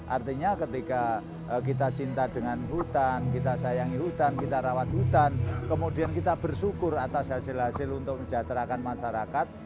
artinya ketika kita cinta dengan hutan kita sayangi hutan kita rawat hutan kemudian kita bersyukur atas hasil hasil untuk menjaterakan masyarakat